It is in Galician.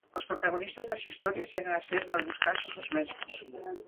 Os protagonistas das historias seguen a ser, nalgúns casos, os mesmos.